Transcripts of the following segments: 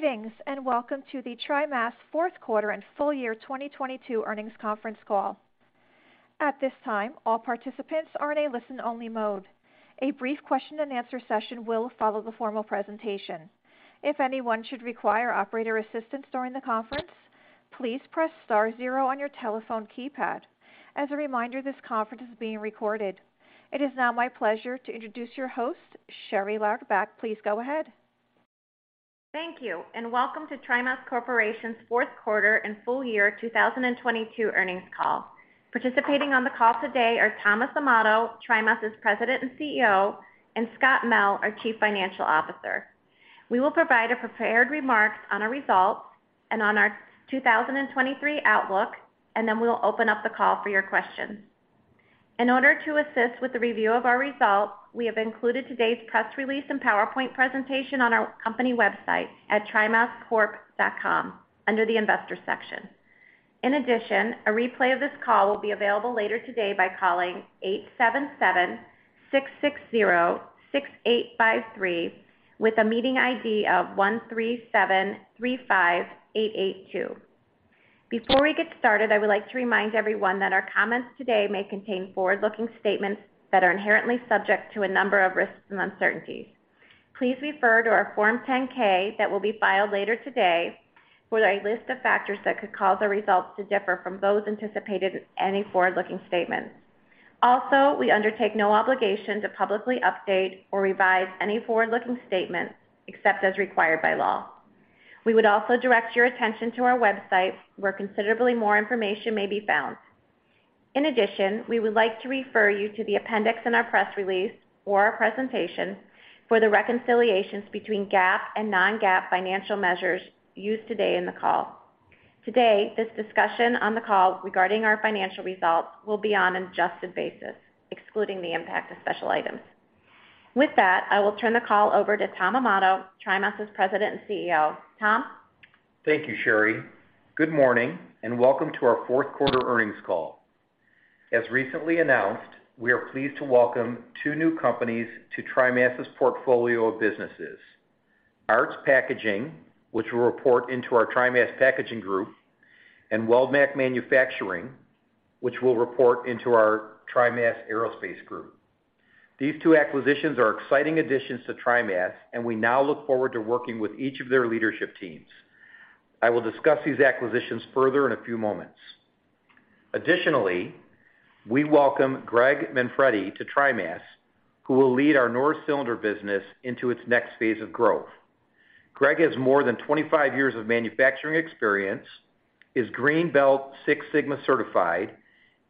Greetings, and welcome to the TriMas 4th quarter and full year 2022 earnings conference call. At this time, all participants are in a listen-only mode. A brief question and answer session will follow the formal presentation. If anyone should require operator assistance during the conference, please press star 0 on your telephone keypad. As a reminder, this conference is being recorded. It is now my pleasure to introduce your host, Sherry Lauderback. Please go ahead. Thank you. Welcome to TriMas Corporation's fourth quarter and full year 2022 earnings call. Participating on the call today are Thomas Amato, TriMas' President and CEO, and Scott Mell, our Chief Financial Officer.We will provide a prepared remarks on our results and on our 2023 outlook, and then we'll open up the call for your questions. In order to assist with the review of our results, we have included today's press release and PowerPoint presentation on our company website at trimascorp.com under the Investors section. In addition, a replay of this call will be available later today by calling 877-660-6853 with a meeting ID of 13735882. Before we get started, I would like to remind everyone that our comments today may contain forward-looking statements that are inherently subject to a number of risks and uncertainties. Please refer to our Form 10-K that will be filed later today with a list of factors that could cause our results to differ from those anticipated in any forward-looking statements. We undertake no obligation to publicly update or revise any forward-looking statements except as required by law. We would also direct your attention to our website, where considerably more information may be found. We would like to refer you to the appendix in our press release or our presentation for the reconciliations between GAAP and non-GAAP financial measures used today in the call. Today, this discussion on the call regarding our financial results will be on an adjusted basis, excluding the impact of special items. With that, I will turn the call over to Tom Amato, TriMas President and CEO. Tom? Thank you, Sherry. Good morning. Welcome to our fourth quarter earnings call. As recently announced, we are pleased to welcome two new companies to TriMas' portfolio of businesses, Aarts Packaging, which will report into our TriMas Packaging Group, and Weldmac Manufacturing, which will report into our TriMas Aerospace Group. These two acquisitions are exciting additions to TriMas. We now look forward to working with each of their leadership teams. I will discuss these acquisitions further in a few moments. Additionally, we welcome Greg Manfredi to TriMas, who will lead our Norris Cylinder business into its next phase of growth. Greg has more than 25 years of manufacturing experience, is Green Belt Six Sigma certified,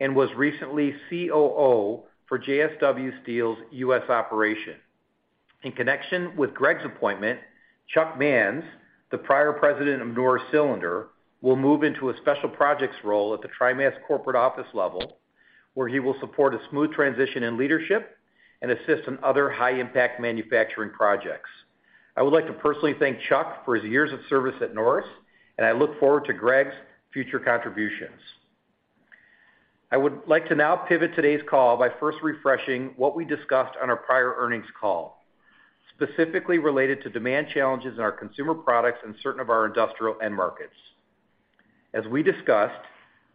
and was recently COO for JSW Steel's U.S. operation. In connection with Greg's appointment, Chuck Manz, the prior President of Norris Cylinder, will move into a special projects role at the TriMas corporate office level, where he will support a smooth transition in leadership and assist in other high-impact manufacturing projects. I would like to personally thank Chuck for his years of service at Norris. I look forward to Greg's future contributions. I would like to now pivot today's call by first refreshing what we discussed on our prior earnings call, specifically related to demand challenges in our consumer products and certain of our industrial end markets. As we discussed,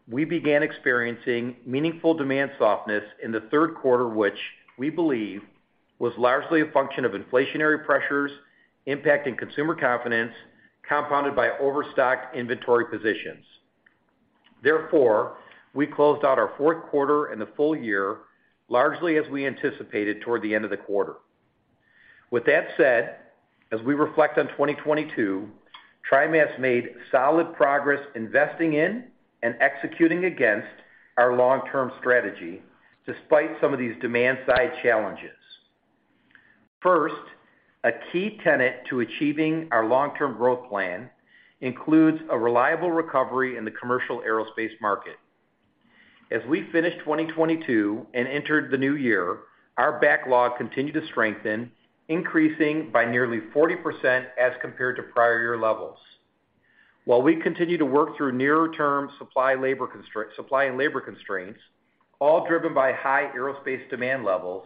we began experiencing meaningful demand softness in the third quarter, which we believe was largely a function of inflationary pressures impacting consumer confidence, compounded by overstock inventory positions. We closed out our fourth quarter and the full year, largely as we anticipated toward the end of the quarter. With that said, as we reflect on 2022, TriMas made solid progress investing in and executing against our long-term strategy, despite some of these demand-side challenges. First, a key tenet to achieving our long-term growth plan includes a reliable recovery in the commercial aerospace market. We finished 2022 and entered the new year, our backlog continued to strengthen, increasing by nearly 40% as compared to prior year levels. We continue to work through nearer-term supply and labor constraints, all driven by high aerospace demand levels,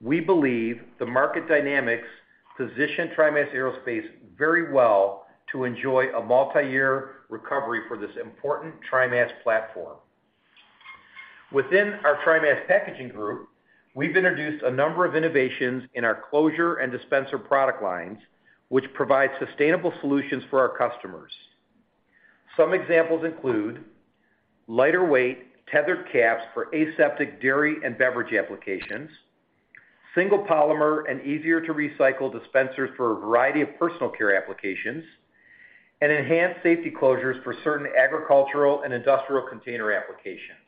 we believe the market dynamics position TriMas Aerospace very well to enjoy a multiyear recovery for this important TriMas platform. Within our TriMas Packaging Group, we've introduced a number of innovations in our closure and dispenser product lines, which provide sustainable solutions for our customers. Some examples include lighter weight tethered caps for aseptic dairy and beverage applications, single polymer and easier to recycle dispensers for a variety of personal care applications, and enhanced safety closures for certain agricultural and industrial container applications.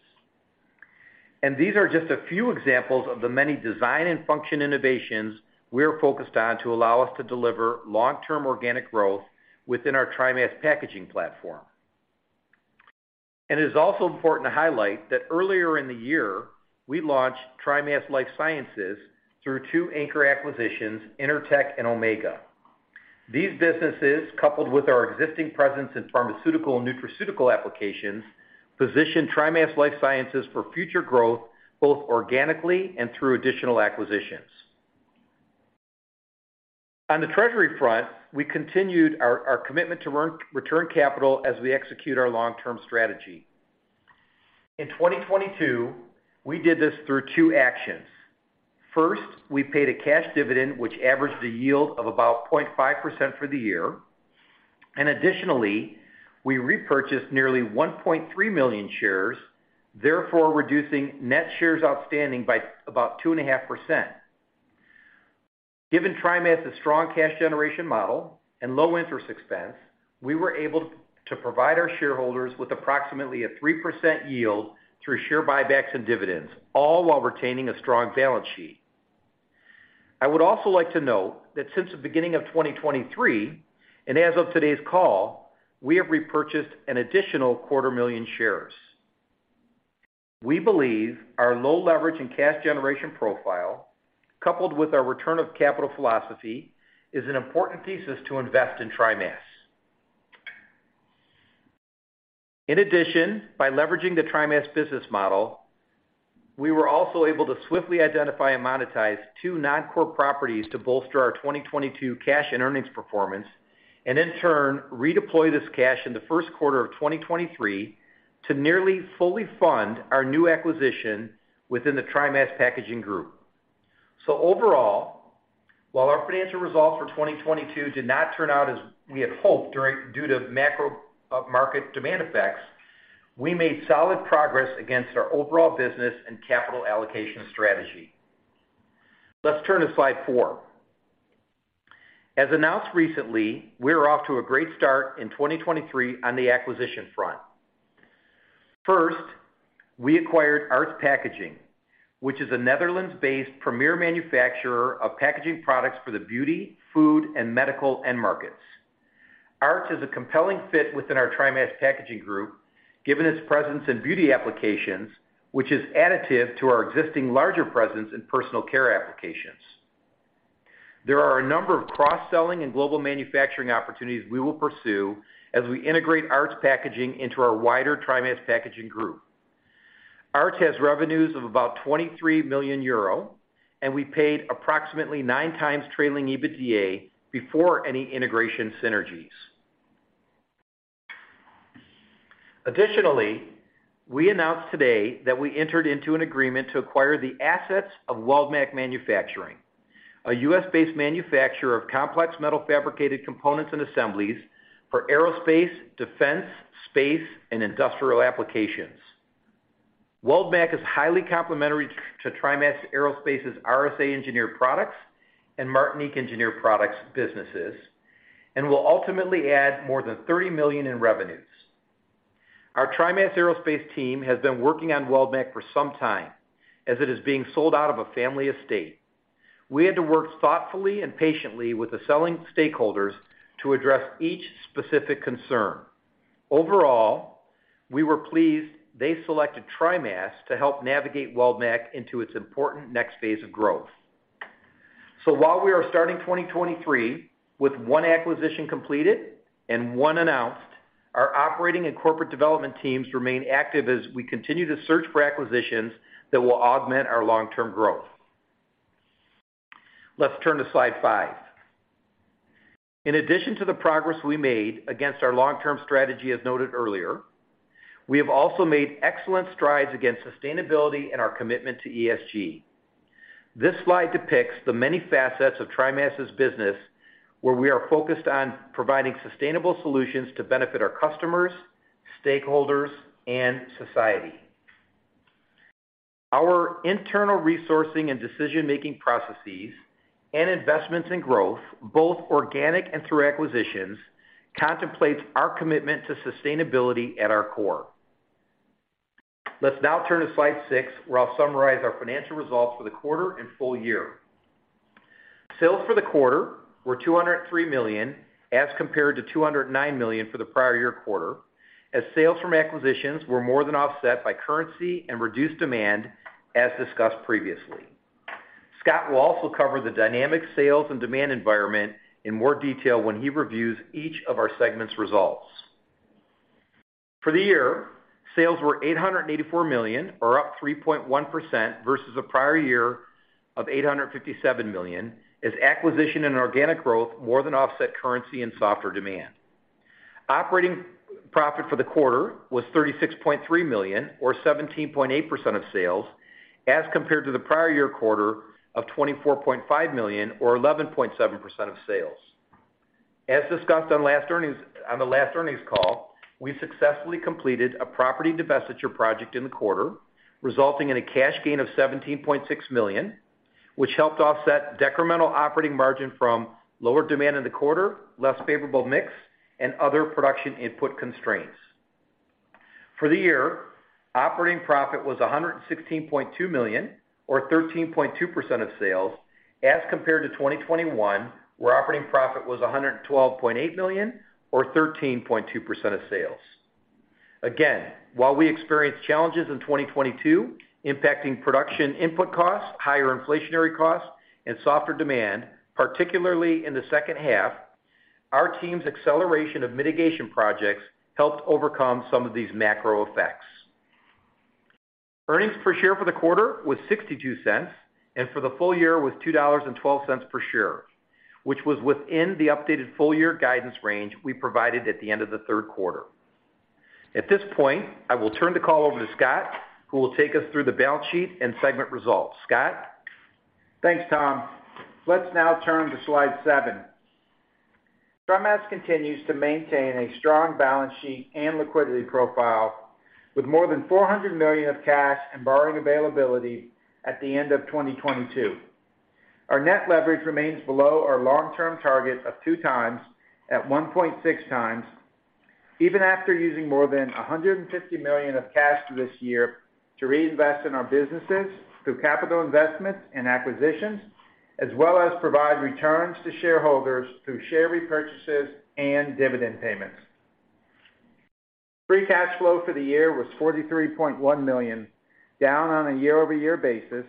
These are just a few examples of the many design and function innovations we are focused on to allow us to deliver long-term organic growth within our TriMas Packaging platform. It is also important to highlight that earlier in the year, we launched TriMas Life Sciences through two anchor acquisitions, Intertech and Omega. These businesses, coupled with our existing presence in pharmaceutical and nutraceutical applications, position TriMas Life Sciences for future growth, both organically and through additional acquisitions. On the treasury front, we continued our commitment to earn-return capital as we execute our long-term strategy. In 2022, we did this through 2 actions. First, we paid a cash dividend which averaged a yield of about 0.5% for the year. Additionally, we repurchased nearly 1.3 million shares, therefore reducing net shares outstanding by about 2.5%. Given TriMas's strong cash generation model and low-interest expense, we were able to provide our shareholders with approximately a 3% yield through share buybacks and dividends, all while retaining a strong balance sheet. I would also like to note that since the beginning of 2023, and as of today's call, we have repurchased an additional quarter million shares. We believe our low leverage and cash generation profile, coupled with our return of capital philosophy, is an important thesis to invest in TriMas. By leveraging the TriMas business model, we were also able to swiftly identify and monetize two non-core properties to bolster our 2022 cash and earnings performance, and in turn, redeploy this cash in the first quarter of 2023 to nearly fully fund our new acquisition within the TriMas Packaging Group. Overall, while our financial results for 2022 did not turn out as we had hoped due to macro market demand effects, we made solid progress against our overall business and capital allocation strategy. Let's turn to slide 4. As announced recently, we're off to a great start in 2023 on the acquisition front. First, we acquired Aarts Packaging, which is a Netherlands-based premier manufacturer of packaging products for the beauty, food, and medical end markets. Aarts is a compelling fit within our TriMas Packaging Group, given its presence in beauty applications, which is additive to our existing larger presence in personal care applications. There are a number of cross-selling and global manufacturing opportunities we will pursue as we integrate Aarts Packaging into our wider TriMas Packaging Group. Aarts has revenues of about 23 million euro, and we paid approximately 9 times trailing EBITDA before any integration synergies. Additionally, we announced today that we entered into an agreement to acquire the assets of Weldmac Manufacturing, a U.S.-based manufacturer of complex metal fabricated components and assemblies for aerospace, defense, space, and industrial applications. Weldmac is highly complementary to TriMas Aerospace's RSA Engineered Products and Martinic Engineering businesses, will ultimately add more than $30 million in revenues. Our TriMas Aerospace team has been working on Weldmac for some time, as it is being sold out of a family estate. We had to work thoughtfully and patiently with the selling stakeholders to address each specific concern. Overall, we were pleased they selected TriMas to help navigate Weldmac into its important next phase of growth. While we are starting 2023 with 1 acquisition completed and 1 announced, our operating and corporate development teams remain active as we continue to search for acquisitions that will augment our long-term growth. Let's turn to slide 5. In addition to the progress we made against our long-term strategy as noted earlier, we have also made excellent strides against sustainability and our commitment to ESG. This slide depicts the many facets of TriMas's business where we are focused on providing sustainable solutions to benefit our customers, stakeholders, and society. Our internal resourcing and decision-making processes and investments in growth, both organic and through acquisitions, contemplates our commitment to sustainability at our core. Let's now turn to slide six, where I'll summarize our financial results for the quarter and full year. Sales for the quarter were $203 million as compared to $209 million for the prior year quarter, as sales from acquisitions were more than offset by currency and reduced demand as discussed previously. Scott will also cover the dynamic sales and demand environment in more detail when he reviews each of our segments' results. For the year, sales were $884 million or up 3.1% versus the prior year of $857 million as acquisition and organic growth more than offset currency and softer demand. Operating profit for the quarter was $36.3 million or 17.8% of sales as compared to the prior year quarter of $24.5 million or 11.7% of sales. As discussed on the last earnings call, we successfully completed a property divestiture project in the quarter, resulting in a cash gain of $17.6 million, which helped offset decremental operating margin from lower demand in the quarter, less favorable mix, and other production input constraints. For the year, operating profit was $116.2 million or 13.2% of sales as compared to 2021, where operating profit was $112.8 million or 13.2% of sales. Again, while we experienced challenges in 2022 impacting production input costs, higher inflationary costs, and softer demand, particularly in the second half, our team's acceleration of mitigation projects helped overcome some of these macro effects. Earnings per share for the quarter was $0.62 and for the full year was $2.12 per share, which was within the updated full year guidance range we provided at the end of the third quarter. At this point, I will turn the call over to Scott, who will take us through the balance sheet and segment results. Scott? Thanks, Tom. Let's now turn to slide 7. TriMas continues to maintain a strong balance sheet and liquidity profile with more than $400 million of cash and borrowing availability at the end of 2022. Our net leverage remains below our long-term target of 2 times at 1.6 times, even after using more than $150 million of cash this year to reinvest in our businesses through capital investments and acquisitions, as well as provide returns to shareholders through share repurchases and dividend payments. Free cash flow for the year was $43.1 million, down on a year-over-year basis,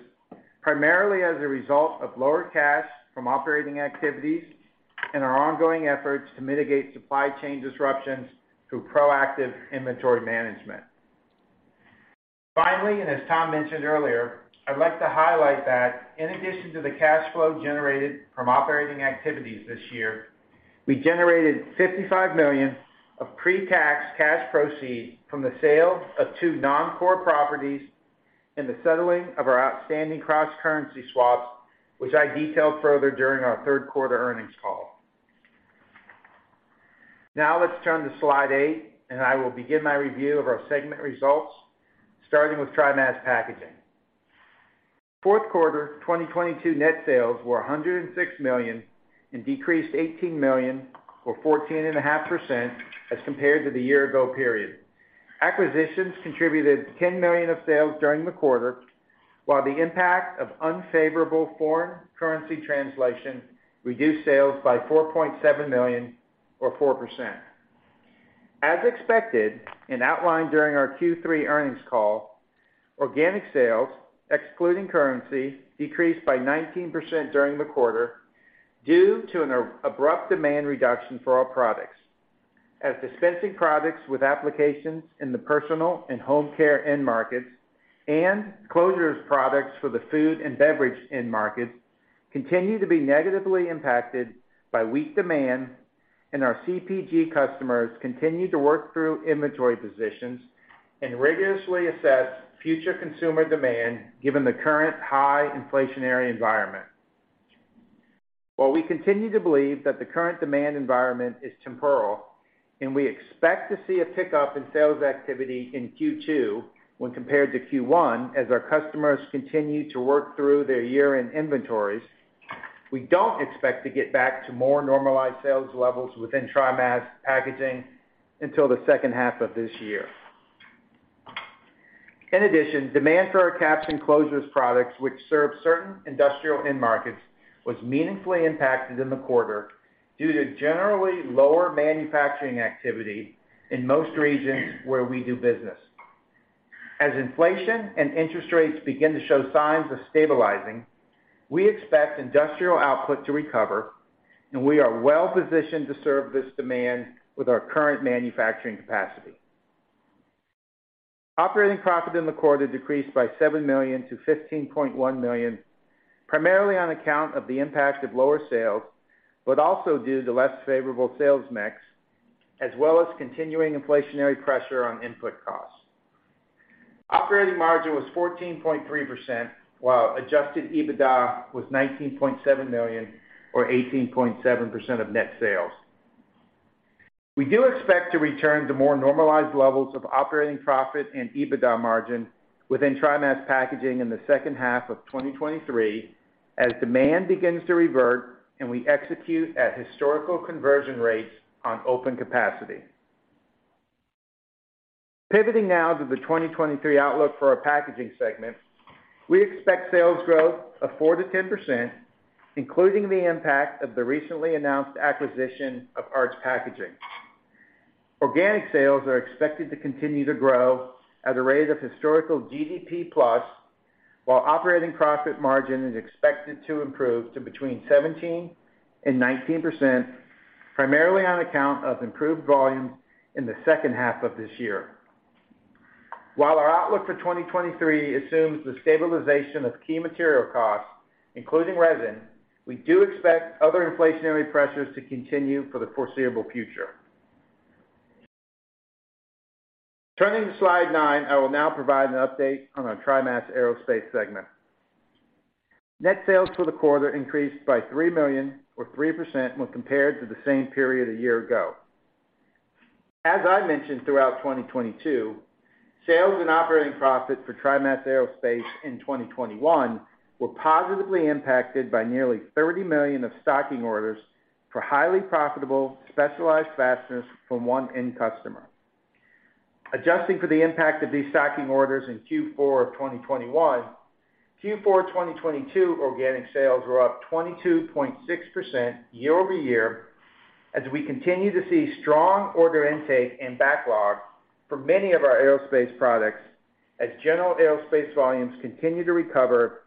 primarily as a result of lower cash from operating activities and our ongoing efforts to mitigate supply chain disruptions through proactive inventory management. Finally, as Tom mentioned earlier, I'd like to highlight that in addition to the cash flow generated from operating activities this year, we generated $55 million of pre-tax cash proceeds from the sale of two non-core properties and the settling of our outstanding cross-currency swaps, which I detailed further during our third quarter earnings call. Now let's turn to slide 8, and I will begin my review of our segment results, starting with TriMas Packaging. Fourth quarter 2022 net sales were $106 million and decreased $18 million or 14.5% as compared to the year-ago period. Acquisitions contributed $10 million of sales during the quarter, while the impact of unfavorable foreign currency translation reduced sales by $4.7 million or 4%. As expected and outlined during our Q3 earnings call, organic sales, excluding currency, decreased by 19% during the quarter due to an abrupt demand reduction for our products as dispensing products with applications in the personal and home care end markets and closures products for the food and beverage end markets continue to be negatively impacted by weak demand and our CPG customers continue to work through inventory positions and rigorously assess future consumer demand given the current high inflationary environment. While we continue to believe that the current demand environment is temporal and we expect to see a pickup in sales activity in Q2 when compared to Q1 as our customers continue to work through their year-end inventories, we don't expect to get back to more normalized sales levels within TriMas Packaging until the second half of this year. In addition, demand for our caps and closures products which serve certain industrial end markets was meaningfully impacted in the quarter due to generally lower manufacturing activity in most regions where we do business. As inflation and interest rates begin to show signs of stabilizing, we expect industrial output to recover. We are well-positioned to serve this demand with our current manufacturing capacity. Operating profit in the quarter decreased by $7 million to $15.1 million, primarily on account of the impact of lower sales, also due to less favorable sales mix, as well as continuing inflationary pressure on input costs. Operating margin was 14.3%, while adjusted EBITDA was $19.7 million or 18.7% of net sales. We do expect to return to more normalized levels of operating profit and EBITDA margin within TriMas Packaging in the second half of 2023 as demand begins to revert and we execute at historical conversion rates on open capacity. Pivoting now to the 2023 outlook for our packaging segment, we expect sales growth of 4%-10%, including the impact of the recently announced acquisition of Aarts Packaging. Organic sales are expected to continue to grow at a rate of historical GDP plus, while operating profit margin is expected to improve to between 17% and 19%, primarily on account of improved volumes in the second half of this year. While our outlook for 2023 assumes the stabilization of key material costs, including resin, we do expect other inflationary pressures to continue for the foreseeable future. Turning to slide nine, I will now provide an update on our TriMas Aerospace segment. Net sales for the quarter increased by $3 million or 3% when compared to the same period a year ago. As I mentioned throughout 2022, sales and operating profit for TriMas Aerospace in 2021 were positively impacted by nearly $30 million of stocking orders for highly profitable specialized fasteners from one end customer. Adjusting for the impact of these stocking orders in Q4 of 2021, Q4 2022 organic sales were up 22.6% year-over-year as we continue to see strong order intake and backlog for many of our aerospace products as general aerospace volumes continue to recover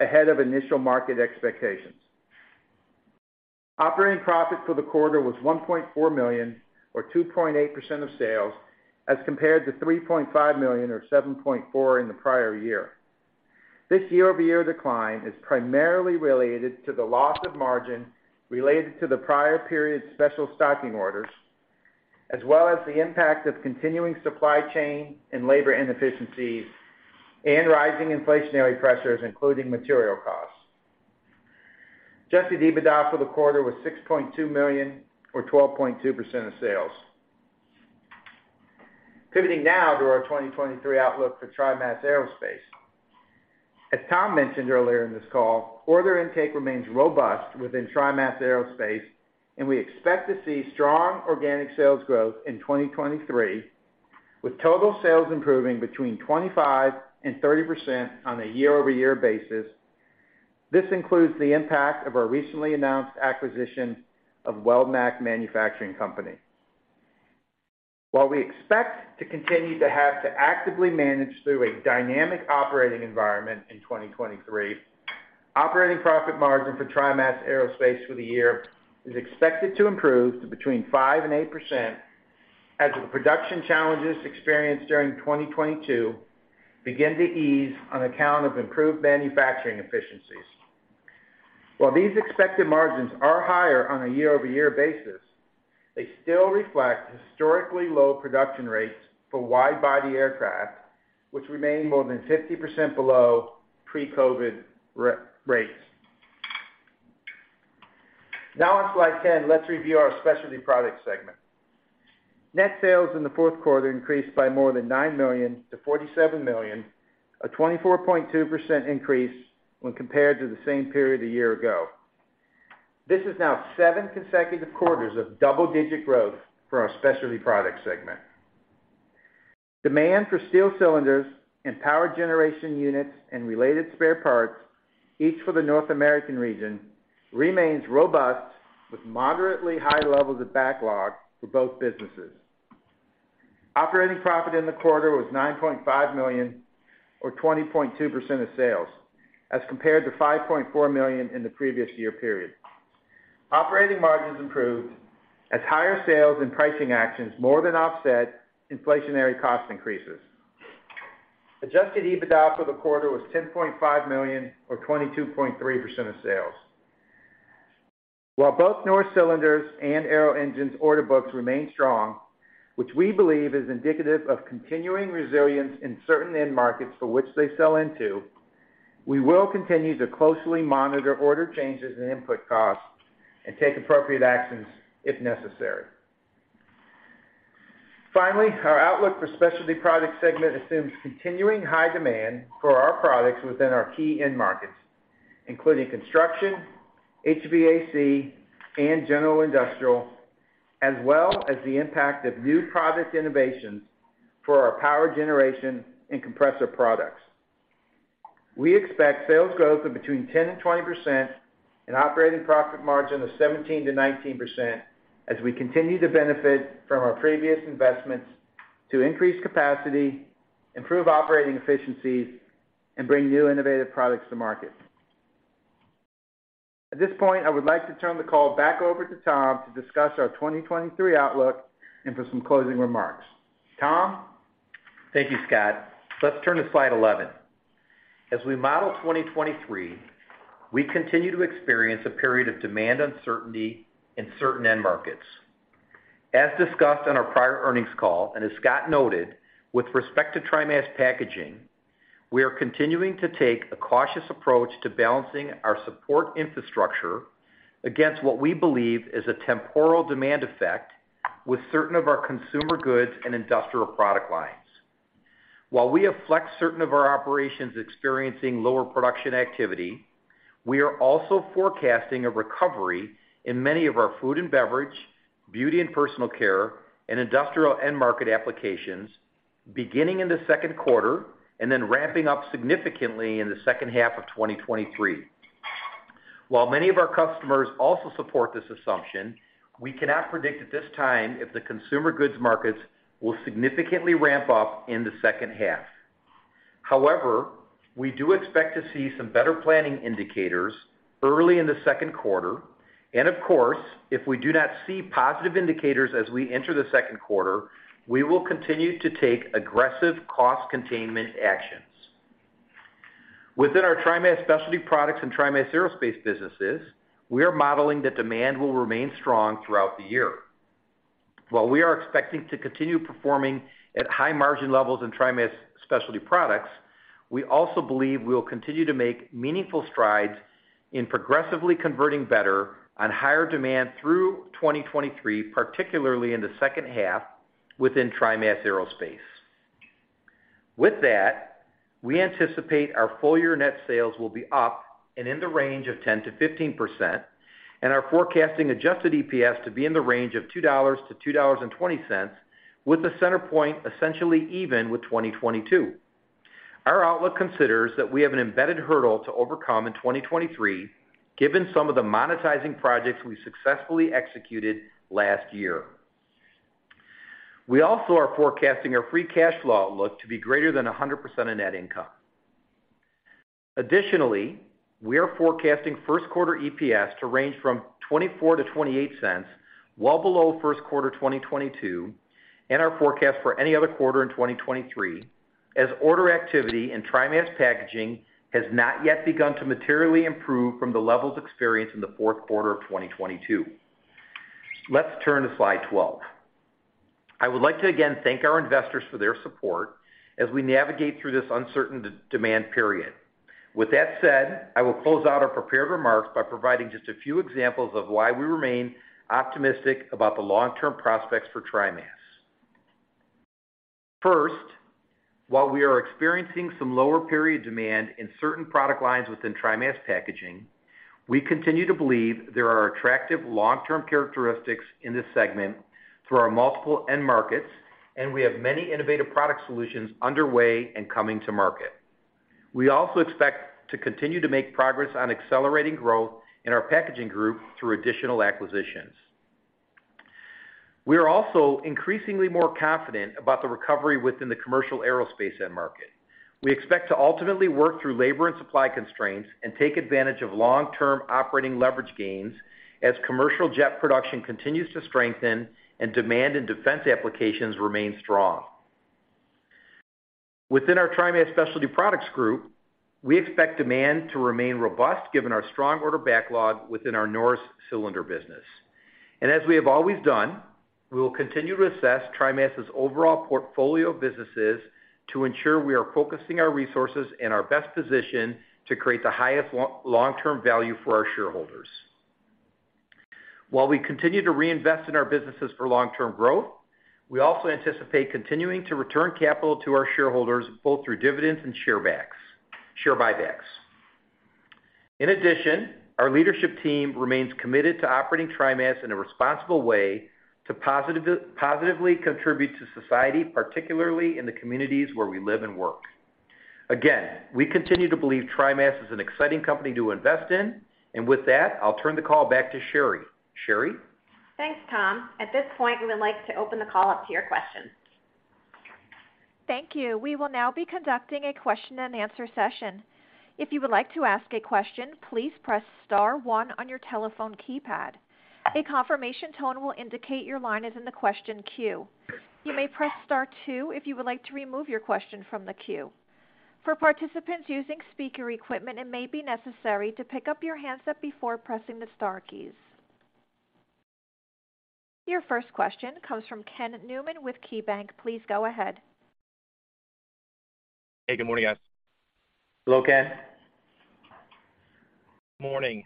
ahead of initial market expectations. Operating profit for the quarter was $1.4 million or 2.8% of sales, as compared to $3.5 million or 7.4% in the prior year. This year-over-year decline is primarily related to the loss of margin related to the prior period's special stocking orders, as well as the impact of continuing supply chain and labor inefficiencies and rising inflationary pressures, including material costs. Adjusted EBITDA for the quarter was $6.2 million or 12.2% of sales. Pivoting now to our 2023 outlook for TriMas Aerospace. As Tom mentioned earlier in this call, order intake remains robust within TriMas Aerospace, and we expect to see strong organic sales growth in 2023, with total sales improving between 25% and 30% on a year-over-year basis. This includes the impact of our recently announced acquisition of Weldmac Manufacturing Company. While we expect to continue to have to actively manage through a dynamic operating environment in 2023, operating profit margin for TriMas Aerospace for the year is expected to improve to between 5% and 8% as the production challenges experienced during 2022 begin to ease on account of improved manufacturing efficiencies. While these expected margins are higher on a year-over-year basis, they still reflect historically low production rates for wide-body aircraft, which remain more than 50% below pre-COVID rates. Now on slide 10, let's review our Specialty Products segment. Net sales in the fourth quarter increased by more than $9 million to $47 million, a 24.2% increase when compared to the same period a year ago. This is now seven consecutive quarters of double-digit growth for our Specialty Products segment. Demand for steel cylinders and power generation units and related spare parts, each for the North American region, remains robust, with moderately high levels of backlog for both businesses. Operating profit in the quarter was $9.5 million or 20.2% of sales, as compared to $5.4 million in the previous year period. Operating margins improved as higher sales and pricing actions more than offset inflationary cost increases. Adjusted EBITDA for the quarter was $10.5 million or 22.3% of sales. While both Norris Cylinder and Arrow Engine order books remain strong, which we believe is indicative of continuing resilience in certain end markets for which they sell into, we will continue to closely monitor order changes and input costs and take appropriate actions if necessary. Finally, our outlook for Specialty Products segment assumes continuing high demand for our products within our key end markets, including construction, HVAC, and general industrial, as well as the impact of new product innovations for our power generation and compressor products. We expect sales growth of between 10% and 20% and operating profit margin of 17%-19% as we continue to benefit from our previous investments to increase capacity, improve operating efficiencies, and bring new innovative products to market. At this point, I would like to turn the call back over to Tom to discuss our 2023 outlook and for some closing remarks. Tom? Thank you, Scott. Let's turn to slide 11. As we model 2023, we continue to experience a period of demand uncertainty in certain end markets. As discussed on our prior earnings call, and as Scott noted, with respect to TriMas Packaging, we are continuing to take a cautious approach to balancing our support infrastructure against what we believe is a temporal demand effect with certain of our consumer goods and industrial product lines. While we have flexed certain of our operations experiencing lower production activity, we are also forecasting a recovery in many of our food and beverage, beauty and personal care, and industrial end-market applications beginning in the second quarter and then ramping up significantly in the second half of 2023. While many of our customers also support this assumption, we cannot predict at this time if the consumer goods markets will significantly ramp up in the second half. However, we do expect to see some better planning indicators early in the second quarter, and of course, if we do not see positive indicators as we enter the second quarter, we will continue to take aggressive cost containment actions. Within our TriMas Specialty Products and TriMas Aerospace businesses, we are modeling that demand will remain strong throughout the year. While we are expecting to continue performing at high margin levels in TriMas Specialty Products, we also believe we will continue to make meaningful strides in progressively converting better on higher demand through 2023, particularly in the second half within TriMas Aerospace. With that, we anticipate our full year net sales will be up and in the range of 10%-15%, and are forecasting adjusted EPS to be in the range of $2.00-$2.20, with the center point essentially even with 2022. Our outlook considers that we have an embedded hurdle to overcome in 2023, given some of the monetizing projects we successfully executed last year. We also are forecasting our free cash flow outlook to be greater than 100% of net income. Additionally, we are forecasting first quarter EPS to range from $0.24-$0.28, well below first quarter 2022 and our forecast for any other quarter in 2023, as order activity in TriMas Packaging has not yet begun to materially improve from the levels experienced in the fourth quarter of 2022. Let's turn to slide 12. I would like to again thank our investors for their support as we navigate through this uncertain demand period. With that said, I will close out our prepared remarks by providing just a few examples of why we remain optimistic about the long-term prospects for TriMas. First, while we are experiencing some lower period demand in certain product lines within TriMas Packaging, we continue to believe there are attractive long-term characteristics in this segment through our multiple end markets. We have many innovative product solutions underway and coming to market. We also expect to continue to make progress on accelerating growth in our Packaging Group through additional acquisitions. We are also increasingly more confident about the recovery within the commercial aerospace end market. We expect to ultimately work through labor and supply constraints and take advantage of long-term operating leverage gains as commercial jet production continues to strengthen and demand in defense applications remain strong. Within our TriMas Specialty Products group, we expect demand to remain robust given our strong order backlog within our Norris Cylinder business. As we have always done, we will continue to assess TriMas' overall portfolio of businesses to ensure we are focusing our resources in our best position to create the highest long-term value for our shareholders. While we continue to reinvest in our businesses for long-term growth, we also anticipate continuing to return capital to our shareholders, both through dividends and share buybacks. In addition, our leadership team remains committed to operating TriMas in a responsible way to positively contribute to society, particularly in the communities where we live and work. Again, we continue to believe TriMas is an exciting company to invest in. With that, I'll turn the call back to Sherry. Sherry? Thanks, Tom. At this point, we would like to open the call up to your questions. Thank you. We will now be conducting a question-and-answer session. If you would like to ask a question, please press star one on your telephone keypad. A confirmation tone will indicate your line is in the question queue. You may press star two if you would like to remove your question from the queue. For participants using speaker equipment, it may be necessary to pick up your handset before pressing the star keys. Your first question comes from Ken Newman with KeyBanc. Please go ahead. Hey, good morning, guys. Hello, Ken. Morning.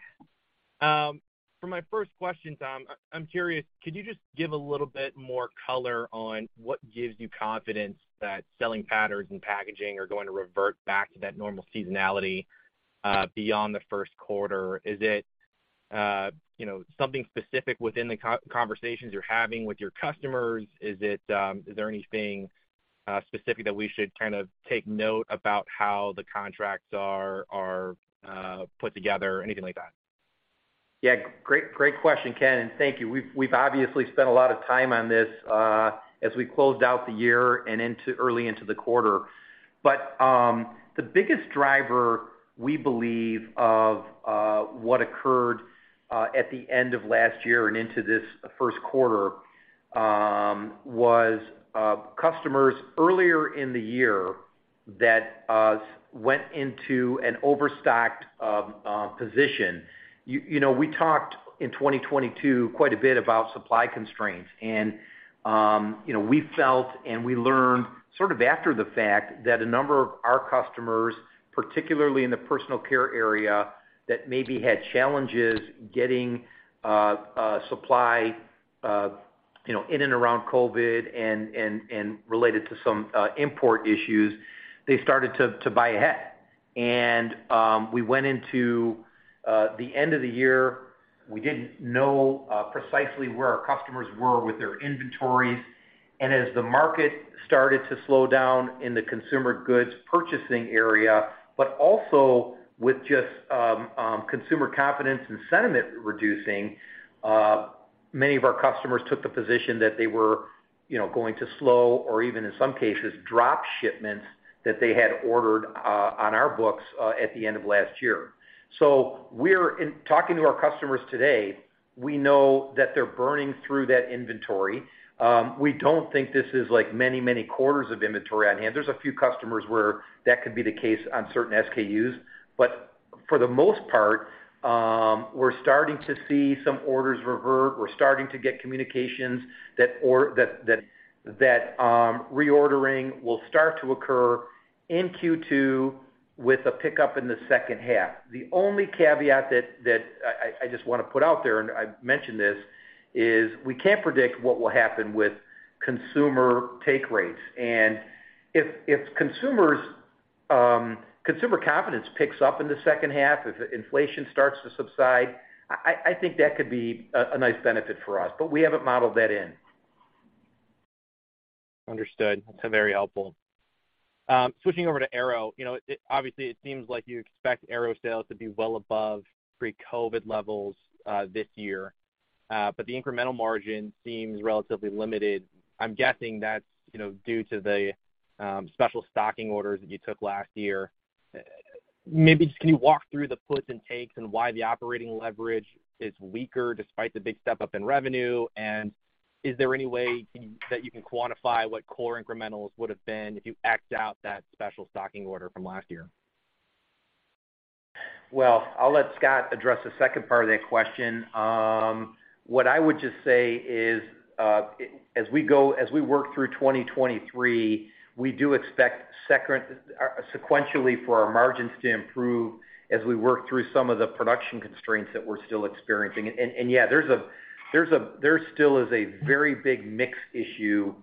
For my first question, Tom, I'm curious, could you just give a little bit more color on what gives you confidence that selling patterns and packaging are going to revert back to that normal seasonality beyond the first quarter? Is it, you know, something specific within the conversations you're having with your customers? Is it, is there anything specific that we should kind of take note about how the contracts are put together? Anything like that? Great question, Ken, and thank you. We've obviously spent a lot of time on this as we closed out the year and into early into the quarter. The biggest driver we believe of what occurred at the end of last year and into this first quarter was customers earlier in the year that went into an overstocked position. You know, we talked in 2022 quite a bit about supply constraints and, you know, we felt and we learned sort of after the fact that a number of our customers, particularly in the personal care area, that maybe had challenges getting a supply, you know, in and around COVID and related to some import issues, they started to buy ahead. We went into the end of the year. We didn't know precisely where our customers were with their inventories. As the market started to slow down in the consumer goods purchasing area, but also with just consumer confidence and sentiment reducing, many of our customers took the position that they were, you know, going to slow or even in some cases drop shipments that they had ordered on our books at the end of last year. Talking to our customers today, we know that they're burning through that inventory. We don't think this is like many, many quarters of inventory on hand. There's a few customers where that could be the case on certain SKUs. For the most part, we're starting to see some orders revert. We're starting to get communications that, that reordering will start to occur in Q2 with a pickup in the second half. The only caveat that I just wanna put out there, and I've mentioned this, is we can't predict what will happen with consumer take rates. If consumers, consumer confidence picks up in the second half, if inflation starts to subside, I think that could be a nice benefit for us, but we haven't modeled that in. Understood. That's very helpful. Switching over to aero. You know, it, obviously, it seems like you expect aero sales to be well above pre-COVID levels this year. The incremental margin seems relatively limited. I'm guessing that's, you know, due to the special stocking orders that you took last year. Maybe just can you walk through the puts and takes and why the operating leverage is weaker despite the big step up in revenue? Is there any way that you can quantify what core incrementals would have been if you x-ed out that special stocking order from last year? Well, I'll let Scott address the second part of that question. What I would just say is, as we work through 2023, we do expect sequentially for our margins to improve as we work through some of the production constraints that we're still experiencing. Yeah, there still is a very big mix issue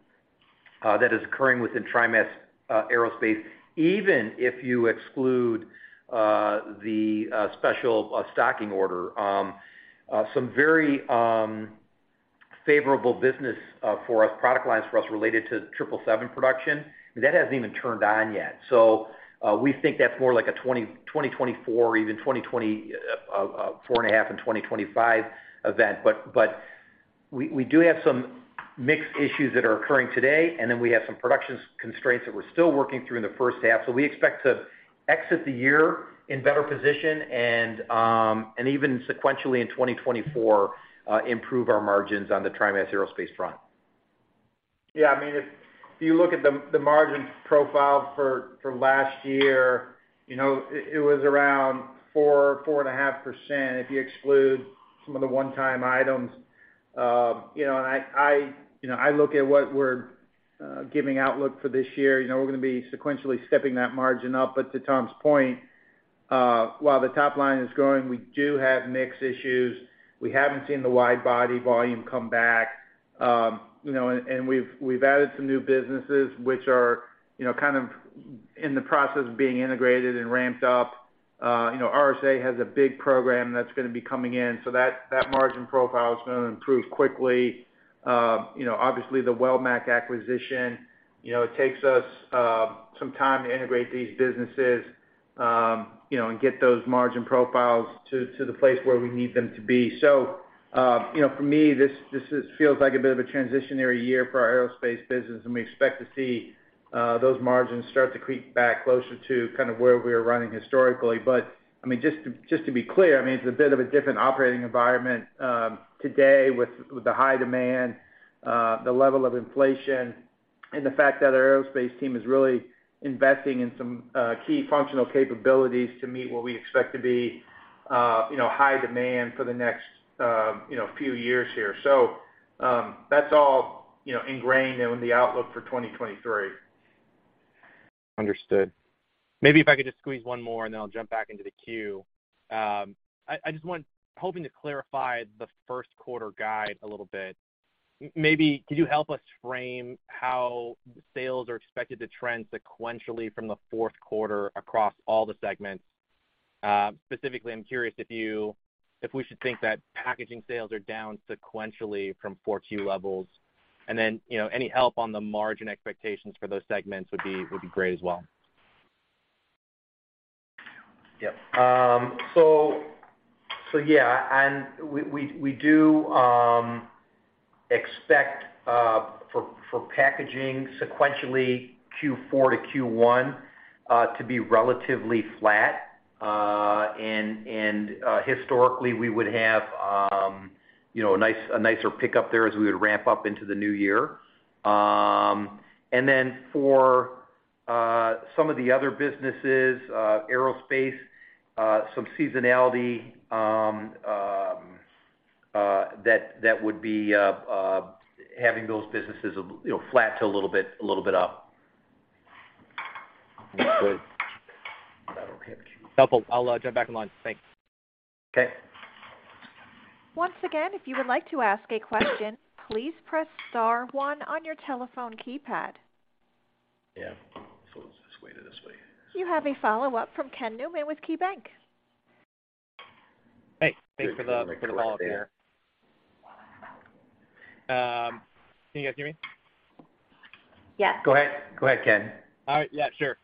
that is occurring within TriMas aerospace, even if you exclude the special stocking order. Some very favorable business for us, product lines for us related to Boeing 777 production, that hasn't even turned on yet. We think that's more like a 2024 or even 2024 and a half and 2025 event. We do have some mix issues that are occurring today, and then we have some production constraints that we're still working through in the first half. We expect to exit the year in better position and, even sequentially in 2024, improve our margins on the TriMas Aerospace front. Yeah, I mean, if you look at the margin profile for last year, you know, it was around 4%-4.5% if you exclude some of the one-time items. You know, I look at what we're giving outlook for this year. You know, we're gonna be sequentially stepping that margin up. To Tom's point, while the top line is growing, we do have mix issues. We haven't seen the wide body volume come back. You know, and we've added some new businesses which are, you know, kind of in the process of being integrated and ramped up. You know, RSA has a big program that's gonna be coming in, so that margin profile is gonna improve quickly. You know, obviously, the Weldmac acquisition, you know, it takes us some time to integrate these businesses, you know, and get those margin profiles to the place where we need them to be. You know, for me, this feels like a bit of a transitionary year for our aerospace business, and we expect to see those margins start to creep back closer to kind of where we're running historically. I mean, just to be clear, I mean, it's a bit of a different operating environment today with the high demand, the level of inflation, and the fact that our aerospace team is really investing in some key functional capabilities to meet what we expect to be, high demand for the next few years here. That's all, you know, ingrained in the outlook for 2023. Understood. Maybe if I could just squeeze one more, and then I'll jump back into the queue. Hoping to clarify the first quarter guide a little bit. Maybe could you help us frame how sales are expected to trend sequentially from the fourth quarter across all the segments? Specifically, I'm curious if we should think that packaging sales are down sequentially from 4Q levels. You know, any help on the margin expectations for those segments would be great as well. Yep, so yeah. We do expect for packaging sequentially Q4 to Q1 to be relatively flat. Historically, we would have, you know, a nice, a nicer pickup there as we would ramp up into the new year. Then for some of the other businesses, aerospace, some seasonality, that would be having those businesses, you know, flat to a little bit up. Understood. I don't have queue. Helpful. I'll jump back in line. Thanks. Okay. Once again, if you would like to ask a question, please press star one on your telephone keypad. Yeah. It's this way or this way. You have a follow-up from Ken Newman with KeyBank. Hey. Thanks for. Let me put it right there. for the follow-up here. Can you guys hear me? Yes. Go ahead. Go ahead, Ken. All right. Yeah, sure.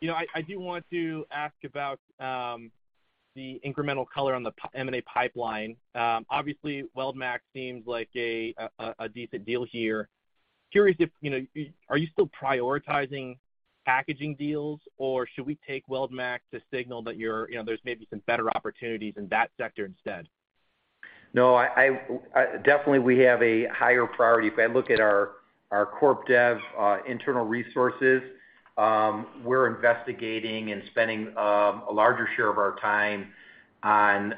you know, I do want to ask about the incremental color on the M&A pipeline. Obviously, Weldmac seems like a decent deal here. Curious if, you know, are you still prioritizing packaging deals, or should we take Weldmac to signal that you're, you know, there's maybe some better opportunities in that sector instead? No, I, definitely we have a higher priority. If I look at our corp dev, internal resources, we're investigating and spending a larger share of our time on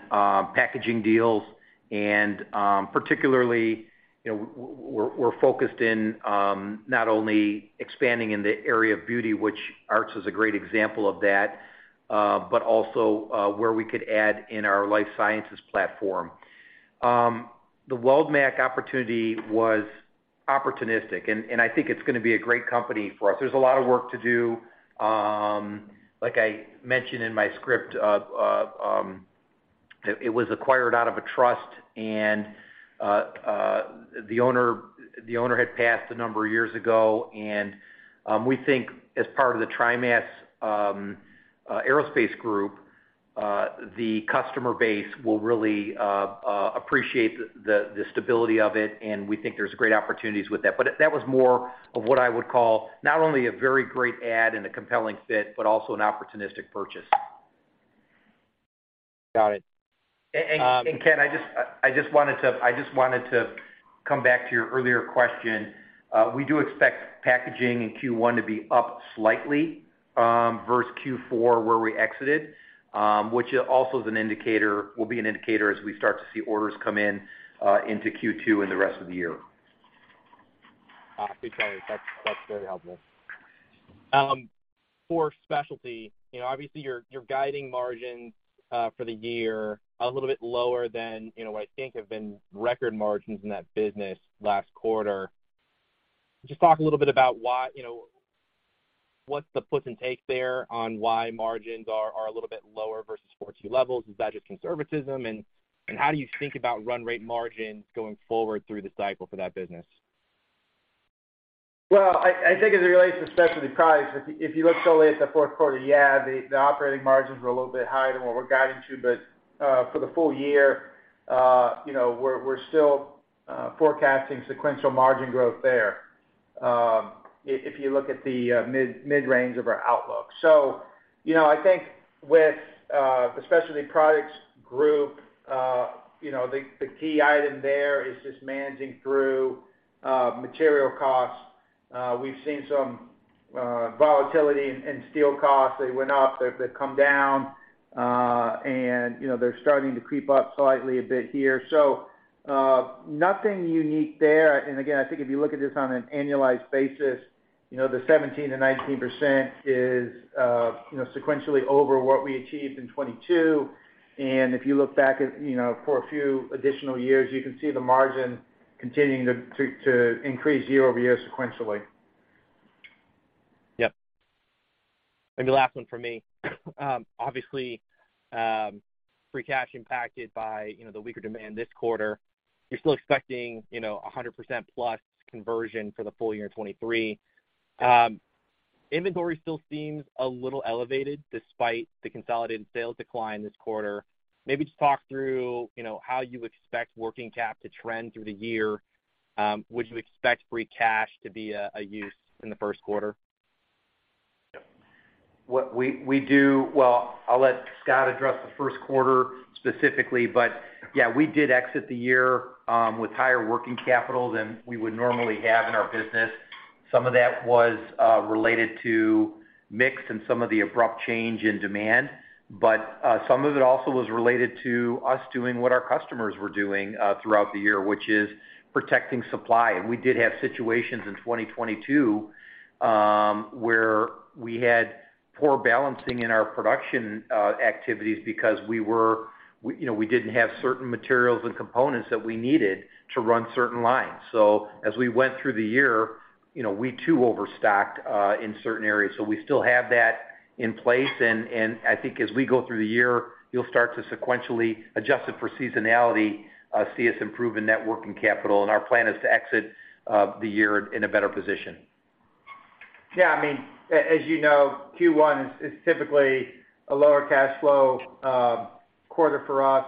packaging deals. Particularly, you know, we're focused in not only expanding in the area of beauty, which Aarts is a great example of that, but also where we could add in our Life Sciences platform. The Weldmac opportunity was opportunistic, and I think it's gonna be a great company for us. There's a lot of work to do. Like I mentioned in my script, it was acquired out of a trust and the owner had passed a number of years ago. We think as part of the TriMas Aerospace Group, the customer base will really appreciate the stability of it, and we think there's great opportunities with that. That was more of what I would call not only a very great add and a compelling fit, but also an opportunistic purchase. Got it. Ken, I just wanted to come back to your earlier question. We do expect packaging in Q1 to be up slightly versus Q4, where we exited, which also is an indicator, will be an indicator as we start to see orders come in into Q2 and the rest of the year. Appreciate it. That's very helpful. For Specialty, you know, obviously you're guiding margins, for the year a little bit lower than, you know, what I think have been record margins in that business last quarter. Just talk a little bit about why, you know, what's the puts and takes there on why margins are a little bit lower versus 14 levels. Is that just conservatism? How do you think about run rate margins going forward through the cycle for that business? Well, I think as it relates to Specialty Products, if you look solely at the fourth quarter, yeah, the operating margins were a little bit higher than what we're guiding to. For the full year, you know, we're still forecasting sequential margin growth there, if you look at the mid-range of our outlook. You know, I think with the Specialty Products Group, you know, the key item there is just managing through material costs. We've seen some volatility in steel costs. They went up, they've come down, and, you know, they're starting to creep up slightly a bit here. Nothing unique there. Again, I think if you look at this on an annualized basis, you know, the 17%-19% is, you know, sequentially over what we achieved in 2022. If you look back at, you know, for a few additional years, you can see the margin continuing to increase year-over-year sequentially. Yep. Maybe last one from me. Obviously, free cash impacted by, you know, the weaker demand this quarter. You're still expecting, you know, 100% plus conversion for the full year 2023. Inventory still seems a little elevated despite the consolidated sales decline this quarter. Maybe just talk through, you know, how you expect working cap to trend through the year. Would you expect free cash to be a use in the first quarter? What we do. I'll let Scott address the first quarter specifically, but yeah, we did exit the year with higher working capital than we would normally have in our business. Some of that was related to mix and some of the abrupt change in demand. Some of it also was related to us doing what our customers were doing throughout the year, which is protecting supply. We did have situations in 2022 where we had poor balancing in our production activities because we, you know, we didn't have certain materials and components that we needed to run certain lines. As we went through the year, you know, we too overstocked in certain areas. we still have that in place, and I think as we go through the year, you'll start to sequentially, adjusted for seasonality, see us improve in net working capital. Our plan is to exit the year in a better position. Yeah. I mean, as you know, Q1 is typically a lower cash flow quarter for us,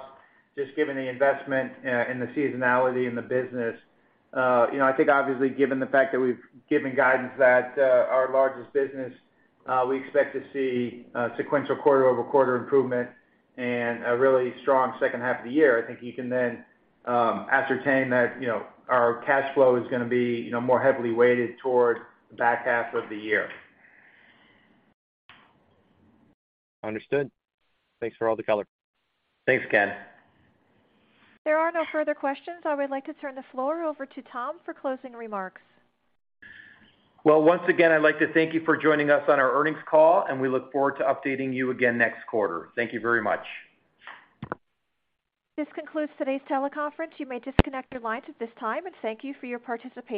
just given the investment and the seasonality in the business. You know, I think obviously, given the fact that we've given guidance that our largest business, we expect to see sequential quarter-over-quarter improvement and a really strong second half of the year. I think you can then ascertain that, you know, our cash flow is gonna be, you know, more heavily weighted toward the back half of the year. Understood. Thanks for all the color. Thanks, Ken. There are no further questions. I would like to turn the floor over to Tom for closing remarks. Well, once again, I'd like to thank you for joining us on our earnings call, and we look forward to updating you again next quarter. Thank you very much. This concludes today's teleconference. You may disconnect your lines at this time, and thank you for your participation.